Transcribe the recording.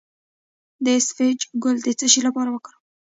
د اسفناج ګل د څه لپاره وکاروم؟